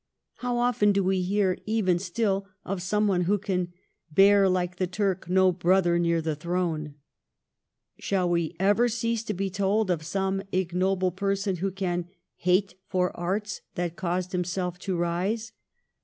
How often do we hear even still of someone who can : Bear, like the Turk, no brother near the throne ? Shall we ever cease to be told of some ignoble person who can ' hate for arts that caused himself to rise